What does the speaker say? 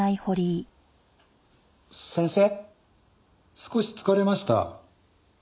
少し疲れました。